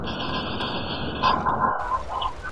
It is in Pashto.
پوسترونه د روغتیا په اړه څه وایي؟